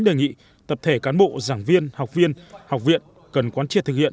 đề nghị tập thể cán bộ giảng viên học viên học viện cần quan triệt thực hiện